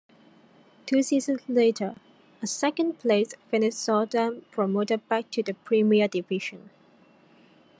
Two seasons later, a second-placed finish saw them promoted back to the Premier Division.